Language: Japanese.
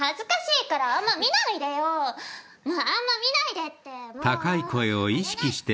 あんま見ないでって！